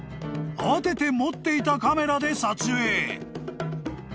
［慌てて持っていたカメラで撮影］